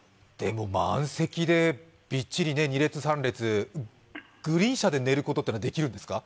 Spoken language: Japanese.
満席で、びっちり２列、３列グリーン車で寝ることはできるんですか？